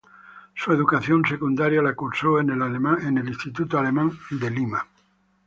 Su educación secundaria la cursó en el alemán Instituto de Lima.